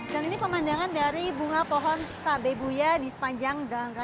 dan ini pemandangan dari bunga pohon tabe buya di sepanjang jalan